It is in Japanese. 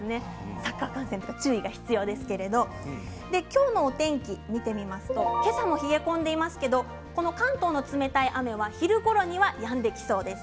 サッカー観戦とか注意が必要ですけれども今日のお天気を見てみますと今朝も冷え込んでいますけれども関東の冷たい雨は昼ごろにはやんできそうです。